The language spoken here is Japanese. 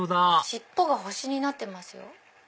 尻尾が星になってますよ。